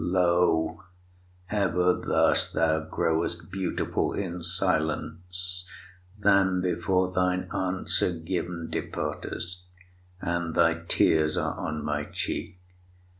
Lo! ever thus thou growest beautiful In silence, then before thine answer given Departest, and thy tears are on my cheek.